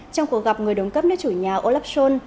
trong cuộc gặp người đồng cấp nước chủ nhà olaf schol